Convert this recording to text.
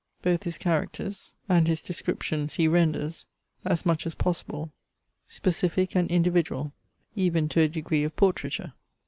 Both his characters and his descriptions he renders, as much as possible, specific and individual, even to a degree of portraiture.